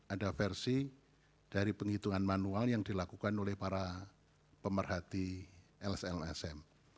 ada versi dari penghitungan manual yang dilakukan oleh para pemerhati lslsm